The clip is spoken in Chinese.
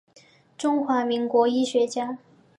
中华民国医学家。